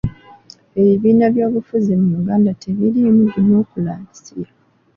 Ebibiina byobufuzi mu Uganda tebiriimu dimokulasiya.